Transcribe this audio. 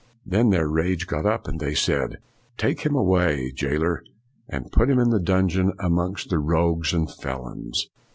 Then their rage got up, and they said, l Take him away, jailer, and put him into the dungeon amongst the rogues and felons.'